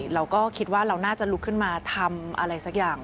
เราก็คิดว่าเราน่าจะลุกขึ้นมาทำอะไรสักอย่าง